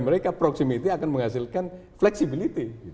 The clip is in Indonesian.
mereka proximity akan menghasilkan fleksibilitas